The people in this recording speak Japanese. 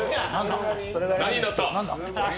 何になった？